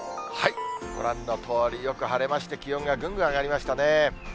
ご覧のとおり、よく晴れまして、気温がぐんぐん上がりましたね。